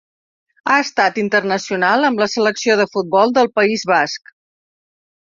Ha estat internacional amb la selecció de futbol del País Basc.